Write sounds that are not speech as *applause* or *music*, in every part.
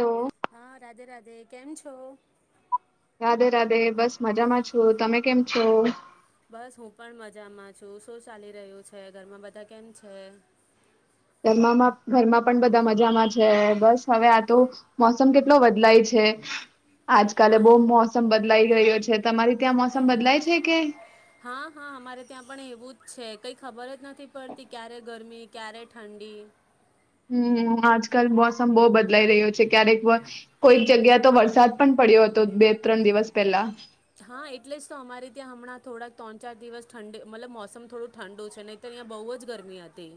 Hello હા રાધે રાધે તે કેમ છો રાધે રાધે બસ મજામાં છું તમે કેમ છો બસ હું પણ મજામાં છું શું ચાલી રહ્યું છે ઘરમાં બધા કેમ છે ઘરમાં ઘરમાં પણ બધા મજામાં છે બસ હવે આ તો મોસમ કેટલો બદલાય છે આજકાલે હા બહુ મોસમ બ બદલાઈ રહ્યો છે તમારી ત્યાં મોસમ બદલાય છે કે હા હા અમારે ત્યાં પણ એવું જ છે કઈ ખબર જ નથી પડતી ક્યારે ગરમી ક્યારે ઠંડી હમ આજકાલ મોસમ બહુ બદલાઈ રહ્યો છે, ક્યારેક કોઈક જગ્યા તો વરસાદ પણ પડ્યો હતો. બે ત્રણ દિવસ પહેલા હા એટલે જ તો અમારે ત્યાં હમણાં થોડાક ત્રણ ચાર દિવસ ઠંડ મતલબ મોસમ થોડું ઠંડુ છે નહી અહીં બહુ જ ગરમી હતી.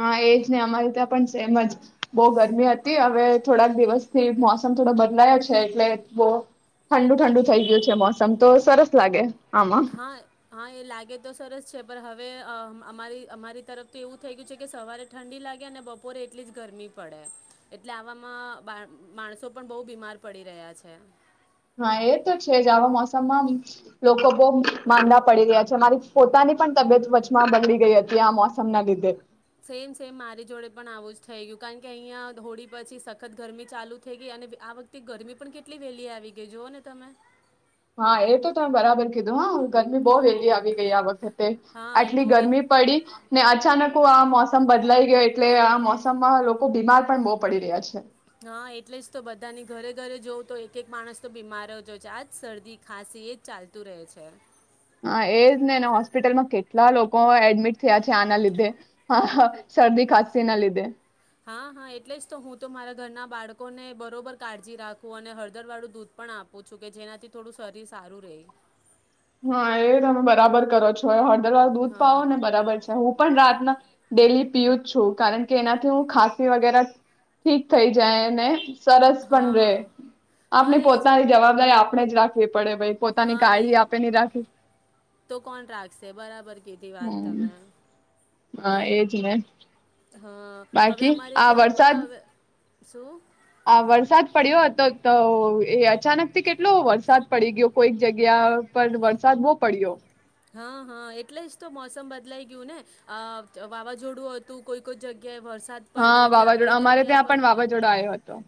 હા એ જ નહી અમારી ત્યાં પણ સેમ જ બહુ ગરમી હતી હવે થોડાક દિવસથી મોસમ થોડો બદલાયો છે એટલે બહ ઠંડુ ઠંડુ થઈ ગયું છે મોસમ તો સરસ લાગે. આમાં હા હા એ લાગે તો સરસ છે. પર હવે અમારી અમારી તરફ તો એવું થઈ ગયું છે કે સવારે ઠંડી લાગે અને બપોરે એટલી જ ગરમી પડે એટલે આવામાં માણસો પણ બહુ બીમાર પડી રહ્યા છે. હા એ તો છે જ આવા મોસમમાં લોકો બહુ માંદા પડી રહ્યા છે અમારી પોતાની પણ તબિયત વચમાં બદલી ગઈ હતી આ મોસમ ના લીધે. સેમ સેમ મારી જોડે પણ આવું જ થઈ ગયું કારણ કે અહિયાં હોળી પછી સખત ગરમી ચાલુ થઈ ગઈ અને આ વખતે ગરમી પણ કેટલી વહેલી આવી ગઈ જુઓ ને તમે હા એ તો તમે બરાબર કીધું હા ગરમી બહુ વહેલી આવી ગઈ આ વખતે હા આટલી તો એ ગરમી પડી ને અચાનક લોકો આ મોસમ બદલાઈ ગયો એટલે આ મોસમમાં લોકો બીમાર પણ બહુ પડી રહ્યા છે. હા એટલે જ તો બધાને ઘરે ઘરે જોવં તો એક એક માણસ તો બીમાર જો છે આજ શરદી ખાંસી એજ ચાલતું રહે છે. હા એજ ને હોસ્પિટલમાં કેટલા લોકો એડમિટ થયા છે. આના લીધે હ હા હા એટલે જ તો હું તો મારા ઘરના બાળકોને બરોબર કાળજી રાખવું અને હળદર વાળું દૂધ પણ આપું છું કે જેનાથી થોડું શરીર સારું રહે. હા એ તમે બરાબર કરો છો. દૂધ પાવો ને હા બરાબર છે હું પણ રાત ડેલી પીયું જ છું. કારણ કે એનાથી હું ખાંસી વગેરે ઠીક થઈ જાય ને સરસ પણ હા રે, હા આપણે એ જ પોતાની જવાબદારી આપણે જ રાખી. પડે ભઈ પોતાની હા ગાળી નહીં આપ તો કોણ રાખશે બરાબર કીધી વાત હમ તમે હા એજ ને હા હવે બાકી અમારી આ ત્યાં વરસાદ પણ હવે શું. આ વરસાદ પડ્યો હતો તો એ અચાનક થી કેટલો વરસાદ પડી ગયો કોઈક જગ્યા પર વરસાદ બહુ પડ્યો હા હા એટલે જ તો મોસમ બદલાઈ ગયું ને વાવાઝોડું હતું. કોઈ કોઈ જગ્યાએ વરસાદ પડ્યો હા એટલે વાવાઝોડું આપણી અમારે જગ્યા ત્યાં પર પણ વાવાઝોડો આવ્યો હતો.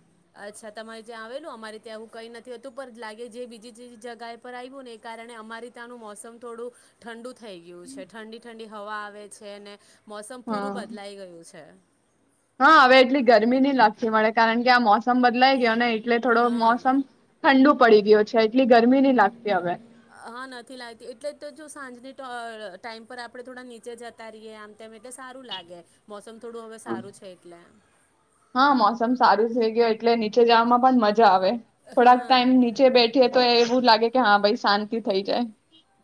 અચ્છા તમારે જ્યાં આવેલું અમારે ત્યાં એવું કંઈ નથીતું પણ લાગે જે બીજી જગ્યાએ પર આવ્યું ને એ કારણે અમારે ત્યાંનું મોસમ થોડું ઠંડુ થઈ ગયું છે ઠંડી ઠંડી. થવા આવે છે અને મોસમ હા પૂરું બદલાઈ ગયું છે. હા હવે એટલી ગરમી ની લતી મળે કારણ કે આ મોસમ બદલાઈ ગયો ને એટલે થોડો હા મોસમ ઠંડુ પડી ગયો છે એટલી ગરમી નહી લાગતી હવે. હા નથી લાગતી એટલે તો જો સાંજની ટાઈમ પર આપણે થોડા નીચે જતા રહીએ આમ *unintelligible* એટલે સારું લાગે. મોસમ થોડું હવે સારું છે એટલે. હા મોસમ સારું થઈ ગયું એટલે નીચે જાવામાં પણ મજ જા આવે. થોડાક હા ટાઈમ નીચે બેઠીએ તો એ એવું લાગે કે કે હા ભાઈ શાંતિ થઈ જાય.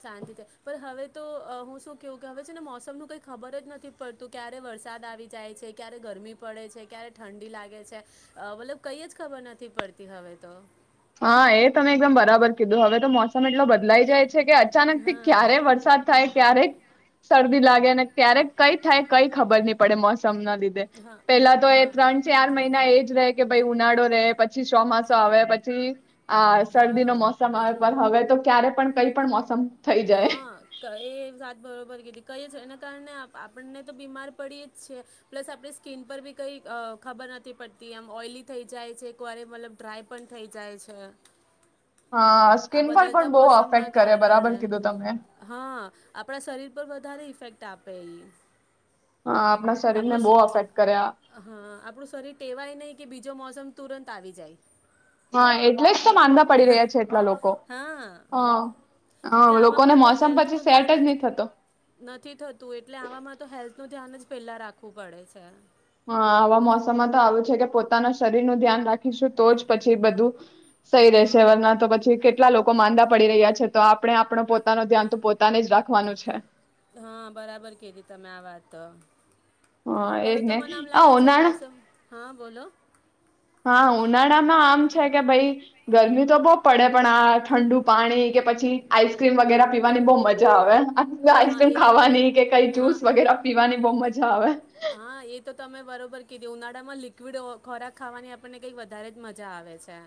શાંતિથી પણ હવે તો હું શું કું કે હવે છે ને મોસમનું કંઈ ખબર જ નથી પડતું, ક્યારે વરસાદ આવી જાય છે, ક્યારે ગરમી પડે છે, ક્યારે ઠંડી લાગે છે, મતલબ કઈ જ ખબર નથી પડતી હવે તો. હા એ તમે એકદમ બરાબર કીધું. હવે તો મોસમ એટલો બદલાઈ જાય છે છે કે અચાનક થી ક્યારે હા વરસાદ થાય ક્યારે શરદી લાગે અને ક્યારેક કઈ થાય કઈ ખબર નહી પડે મોસ મના લીધે. હા પેલા તો એ ત્રણ હા ચાર મહિના એજ રહે કે પહિ ઉનાળો રે, પછી ચોમાસો આવે, પછ છી આ શરદી નો હા મોસમ આવે. પણ હવે તો ક્યારે પણ કઈ પણ મોસમ થઈ જાય હા એ જાત બરોબર કીધી. કઈ છે, એના કારણે આપ આપણને તો બીમાર પડી જ છે. પ્લસ આપણી સ્કીન પર બી કંઈ અહ ખબર નથી પડતી એમ ઓઇલી થઈ જાય છે, એકવાર મતલબ ડ્રાય પણ થઈ જાય છે. હા આ સ્કીિન પર પણ બદલતા બહુ મોસમ ના અફેક્ટ કરે બરાબર કારણે, કીધું તમે હા આપણા શરીર પર વધારે ઇફેક્ટ આપે ઈ. હા આપણા શરીરને આપડું સ બહુ અફેક્ટ કરે આ. હા આપડું શરીર ટેવાય નહી કે બી જો મોસમ તુરંત આવી જાય. હા, એટલે જ તો માંદા પડી રહ્યા છે. એટલા લોકો હા એટલે હ લોકોને આવામાં તો મોસમ હેલ્થ પછી નું સેટ ધ્યાન જ નહી થતો નથી થતું, એટલે આવામાં તો હેલ્થ નું ધ્યાન જ પેલા રાખવું પડે છે. હા આવા મોસમમાં તો આવું છે કે પોતાના શરીર નું ધ્યાન રાખીશું તો જ પછી બધું સહી રહેશે, વરના તો પછી કેટલા લોકો માંદા પડી રહ્યા છે, તો આપણે આપણો પોતાનું ધ્યાન તો પોતાને જ રાખવાનું છે. હા બરાબર કીધી તમે આ વાત. હા એજ હવે તો ને. મને આમ આ લાગે છે ઉનાળા મોસમ હા બોલો. હા ઉનાળામાં આમ છે કે ભઈ ગરમી તો બહું પડે પણ આ ઠંડુ પાણી કે પછી આઈસક્રીમ વગેરા પીવાની બહું મજા આવે. આ હા આઈસ્ક્રીમ એ તો ખવાની કે કઈ હા જુસ વગેરે પીવાની બહુ મજ જા આવેે. હા એ તો તમે બરોબર કીધું. કી ઉનાળામાં લિક્વિડ ખોરાક ખાવાની આપણને કઈક વધારે જ મજા આવે છે.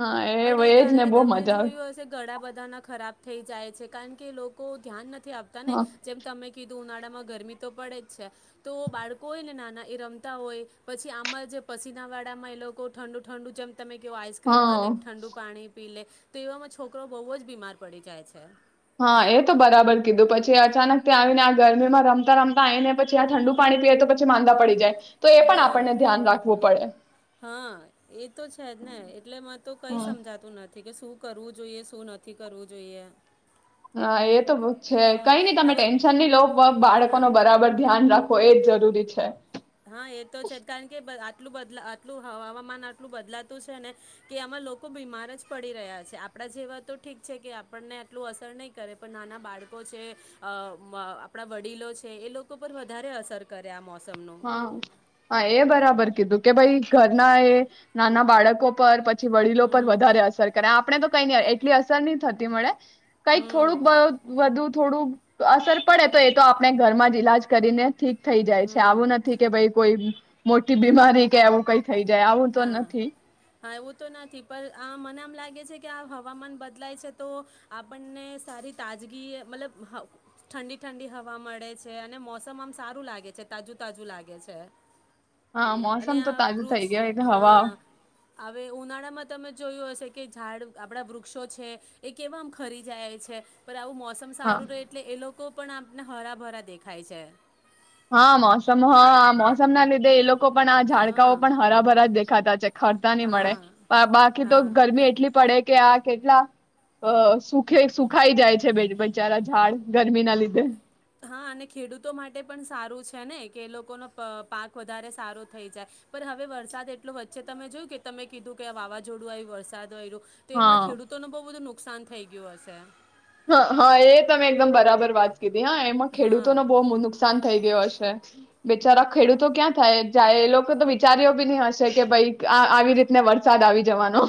હા પણ એ એજ ને કારણે બહુ તમે મજા આવે જોયું હશે ગળા બધા ના ખરાબ થઈ જાય છે કારણ કે લોકો ધ્યાન નથી થી આપતા ને. હા જેમ તમે કીધું ઉનાળામાં ગરમી તો પડે જ છે. તો બાળકો હોય ને નાના એ રમતા હોય પછી આમાં જે પસીનાવાડામાં એ લોકો ઠંડુ ઠંડુ જેમ તમે કેવો આઈસ્ક્રીમ અને હા ઠંડુ પાણી પી લે. તો એવામાં છોકરો બહુ જ બીમાર પડી જાય છે. હા, એ તો બરાબર કીધું પછી અચાનક તે આવીને આ ગરમીમાં રમતા રમતા આવીઈ ને પછી આ ઠંડુ પાણી પીએ તો પછી માંદા પડી જાય. તો એ પણ હા આપણને ધ્યાન રાખવું પડે હા એ તો છે જ ને એટલે મ તો કઈ હમ સમજાતું નથી. એ કે શું કરવું જોઈએ, શું નથી કરવું જોઈએ. હા એ તો છે હા કઈ નઈ આ તમે બધ ટેન્શન નહી લો, બાળકો હા ન બરાબર ધ્યાન રાખો એ જરૂરી છે. હા એ તો છે જ કારણ કે આટલું બદલા આટલું હવામાન આટલું બદલાતું છે, ને કે આમાં લોકો બીમાર જ પડી રહ્યા છે આપણા જેવા તો ઠીક છે કે આપણને આટલું અસર નહીં કરે પણ નાના બાળકો છે, આપણા વડીલો છે, એ લોકો પર વધારે અસર કરે આ મોસમનું. હા એ બરાબર કીધું કે ભાઈ ઘરના એ નાના બાળકો પર પછી વડીલો પર હમ વધારે અસર કરે. આપણે તો કઈ ન એટલી અસર નહી થતી મળે. કઈક હમ થોડુંક વધુ થોડું અસર પડે તો એ તો આપણે ઘરમાં જ ઈલાજ કરીને ઠીક હમ. થી કે ભાઈ કોઈ મોટી બીમારી કે એવું કઈ થઈ જાય આવું તો હા નથી. હા એવું તો નથી પણ આ મને આમ લાગે છે કે આ હવામાન બદલાય છે તો આપણને સારી તાજગી મતલબ ઠંડી ઠંડી હવા મળે છે, અને મોસમ આમ સારું લાગે છે તાજું તાજું લાગે છે. હા અને મોસમ તો આ તાજુ થઈ વૃક્ષ ગઈ. હા હવે ઉનાળામાં તમે જો જોયું હશે કે ઝાડ આપડા વૃક્ષો છે, એ કેમ ખરી જાય છે. આવું મોસમ હા સારું રહે એટલે એ લોકો પણ આપને હરાભરા દેખાય છે. હા મોસમ, હા મોસમ ના લીધે એ લોકો લોકો પણ આ હા જડકાઓ પણ હરાભરાે જ દેખાય છે. ખાધા ખરતા નહી મળે હા બાકી તો હા ગરમી એટલી પડે કે આ કેટલા સુખે સુખાઈ જાય છે બે બચારા ઝાડ ગરમી ના લીધે. હા અને ખેડૂતો માટે પણ સારું છે, ને કે લોકોનો પાક વધારે સારો થઈ જાય, પણ હવે વરસાદ એટલો વચ્ચે તમે જોયું કે તમે કીધું કે વાવાઝોડું આવ્યું વરસાદ આવ્યું. તેમાં હા ખેડૂતો નું બહુ બધું નુકસાન નુકસાન થઈ ગયું હશે. હ હા એ તમે એકદમ બરાબર વાત કીધી. હા એમાં હા ખેડૂતોને બહુ નુકસાન થઈ ગયયો હશે. બેિચારા ખેડૂતો ક્યાં થાય જાય એ લોકો તો વિચાર્યો બી નહી હશે કે ભાઈ આવી રીતને વરસાદ આવી જવાનો.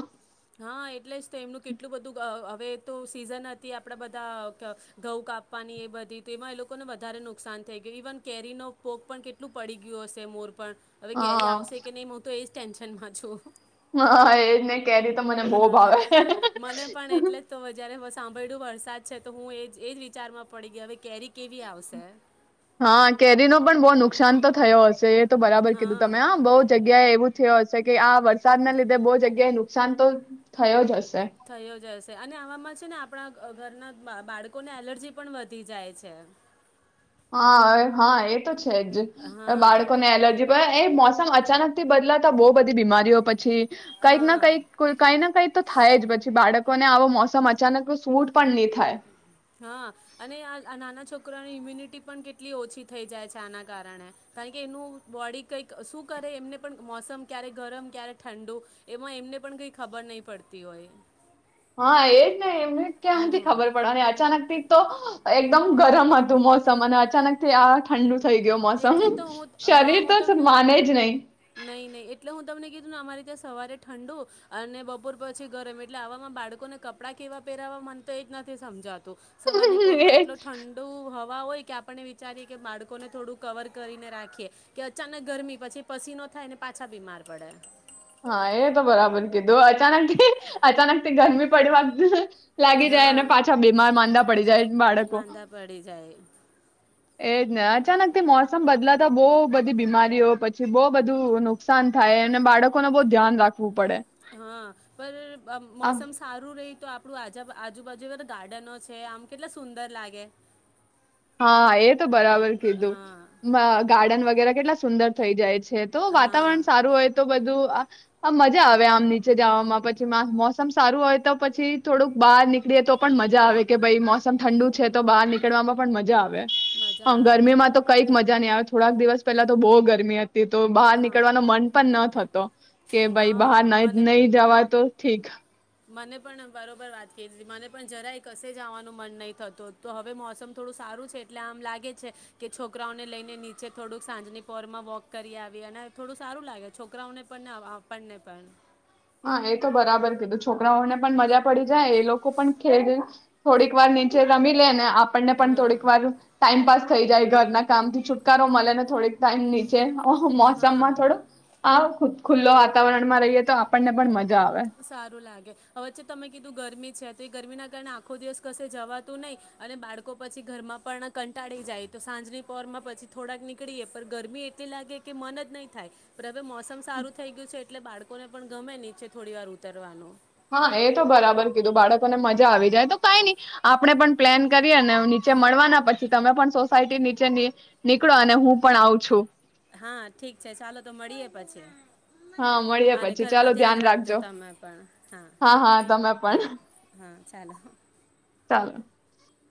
હા એટલે જ એમનું કેટલું બધું અ હવે તો સિઝન હતી આપણા બધા ઘઉં કાપવાની એ બધી તો એમાં એ લોકોને વધારે નુકસાન થઈ ગયું ઇવન કેરીનો પોગ પણ કેટલું પડી ગયું હશે મોર પણ હવે કેરી હા આવશે કે નહી હું તો એજ ટેન્શનમાં છું હા એને કેરી તો મને બો ભાવે સાંભળું વરસાદ છે તો હું એ એ જ વિચારમાં પડી ગય હવે કેરી કેવી આવશે હા કેરી નો પણ બો નુકસાન તો થયો હશે એ તો બરાબર કીધું હા તમે અ બો જગ્યાએ એવું થયો હશે કે આ વરસાદ ન લીધે બો જગ્યા એ નુકશાન તો થયો જ હશે થયો જ હશે અને આવામાં છે ને આપણા ઘરના બાળકોને એલર્જી પણ વધી જાય છે. હા હા એ તો છે. થાઈ છે હા બાળકો ને એલર્જી એ અચાનક થી બદલાતા બઉુ બધી બીમારીઓ પછી કઈક હા ના કંઈક કઈ ના કઈ તો થાય જ પછી બાળક કોને આવો મોસમ અચાનક સૂટ પણ ની થાય. હા અને આ નાના છોકરાની ઈમ્યુનિટી પણ કેટલી ઓછી થઈ જાય છે આના કારણે કારણ કે એનું બોડી કઈક શું કરે એમને પણ મોસમ ક્યારે ગરમ ક્યારે ઠંડુ એમાં એમને પણ કઈ ખબર નહી પડતી હોય. હા એ એમને ક્યાંથી હમ ખબર પડે અને અચાનક થી તો એકદમ ગરમ હતું મોસમ અને અચાનક થી આ ઠંડુ થઈ ગયો મોસમ એટલે તો હું હા શરીર હું તો તમને માને જ નહી નહી નહી એટલે હું તમને કીધુંને અમારી સવારે ઠંડુ અને બપોર પછી ગરમ એટલે આવામાં બાળકોને કપડાં કેવા પહેરાવા મન તો એ જ નથી સમજાતું. સવારની પોરમાં એ એટલો ઠંડુ હોય કે આપણને વિચારીએ કે બાળકોને થોડું કવર કરીને રાખીએ કે અચાનક ગરમી પછી પસીનો થાયને પાછા બીમાર પડે. હા એ તો બરાબર કીધું અચાનકથી અચાનક ગરમી પડી વાગ લાગી જાય હા અને પાછા બીમાર માંદા પડી જાય બાળકો. માંદા પડી જાય એજ ને અચાનકથી મોસમ બદલાતા બો - બીમારીઓ પછી બહુ બધું નુકસાન થાય અને બાળકોને બહુ ધ્યાન રાખે હા પર આ મોસમ સારું રહી તો આપડું આજ આજુબાજુ બધે ગાર્ડનો છે આમ કેટલા સુંદર લાગે. હા એ તો બરાબર કીધું. હા વ ગાર્ડન વગેરે કેટલા સુંદર થઈ જાય છ છે. તો હા વાતાવરણ સારું હોય તો બધું આ આમ મજા આવે આમ નીચે જવામાં, પછી મા મોસમ સારું હોય તો પછી થોડુંક બહાર નીકળીએ તો પણ મજા આવે કે ભાઈ મોસમ ઠંડુ છે તો બહાર નીકળવામાં પણ મજા આવે. મજા આવે ગરમીમાં તો કંઈક મજા નહી આવે થોડાક દિવસ પહેલા તો બહું ગરમ હત તી તો બહાર હા નીકળવાનો મન પણ ન થતો, કે ભાઈ બહાર હા ન મને નહી જવા તો ઠીક. મને પણ, બરોબર વાત કરી તી. મને પણ જરાય કશે જવાનું મન નહી થતું તું. તો હવે મોસમ થોડું સારું છે એટલે આમ લાગે છે કે છોકરાઓને લઈને નીચે થોડુંક સાંજની પોરમાં વોક કરી આવી, અને થોડું સારું લાગે છોકરાઓને પણ ને આપણને પણ. હા એ તો બરાબર કીધું છોકરાઓને પણ મજા પડી જાય, એ લોકો પણ ખેલ થોડીક વાર નીચે રમી લે ને આપણને પણ હા થોડીક વાર ટાઈમપાસ થઈ જાય, ઘરના કામ થી છુટકારો મલે ને થોડીક ટાઈમ નીચે. ઓહો હા મોસમમાં થોડું આપ ખુલ્લો વાતાવરણ માં રહીએ તો આપણને પણ મજ સારું લાગે. હવે જે તમે કીધું ગરમી છે તો એ ગરમીના કારણે આખો દિવસ કશે જવાતું નહી, અને બાળકો પછી ઘરમાં પણ કંટાળી જાય, તો સાંજની પોરમાં પછી થોડાક નીકળીએ પણ ગરમી એટલી લાગે કે મન જ નહીં થાય. *unintelligible* હવે મોસમ સારું થઈ ગયું છે એટલે બાળક કોને પણ ગમે નીચે. થોડી વાર ઉતરવાનું. હા એ તો બરાબર કીધું બાળકોને મજા આવી જાય, તો કાઈ નહી આપણે પણ પ્લેન કરીએને નીચે મળવાના, પછી તમે પણ સોસાયટી નીચે ની નીકળો અને હું પણ આવું છું. હા ઠીક છે, ચાલો તો મળીએે પછી. હા મળીએ હા ને પછી ચાલો ઘરમાં ધ્યાન રાખજો. તમે પણ હા, હા તમે પણ. હા હા ચાલો હા. હાલો.